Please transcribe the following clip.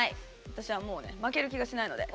私はもうね負ける気がしないので。